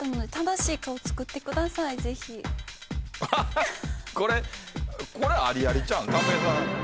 アハハこれこれありありちゃうん？